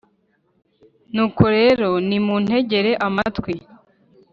“nuko rero nimuntegere amatwi,